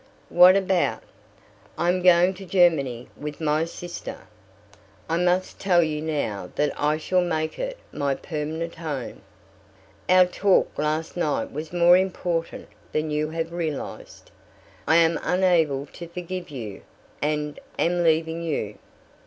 "What about?" "I am going to Germany with my sister. I must tell you now that I shall make it my permanent home. Our talk last night was more important than you have realized. I am unable to forgive you and am leaving you."